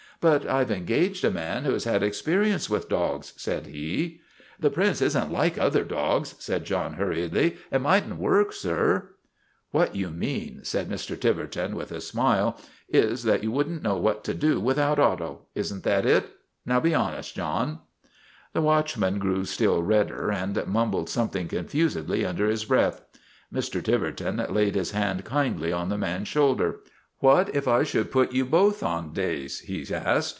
" But I 've engaged a man who has had experience with dogs," said he. " The Prince is n't like other dogs," said John hurriedly. " It might n't work, sir." " What you mean," said Mr. Tiverton, with a smile, " is that you would n't know what to do with out Otto. Isn't that it? Now be honest, John." The watchman grew still redder and mumbled something confusedly under his breath. Mr. Tiver ton laid his hand kindly on the man's shoulder. "What if I should put you both on days?' he asked.